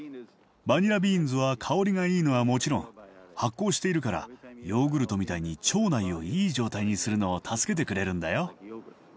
バニラビーンズは香りがいいのはもちろん発酵しているからヨーグルトみたいに腸内をいい状態にするのを助けてくれるんだよ。